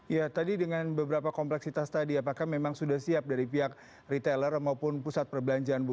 ya tadi dengan beberapa kompleksitas tadi apakah memang sudah siap dari pihak retailer maupun pusat perbelanjaan bu